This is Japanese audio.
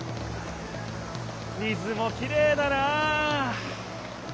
水もきれいだな！